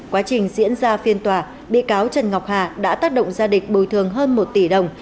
quá trình diễn ra phiên tòa bị cáo trần ngọc hà đã tác động gia đình bồi thường hơn một tỷ đồng